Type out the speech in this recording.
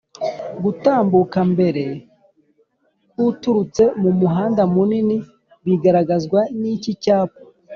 gutambuka mbere k’uturutse mu muhanda munini bigaragazwa niki cyapa